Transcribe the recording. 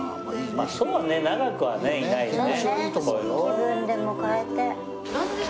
まあそうね長くはねいないね。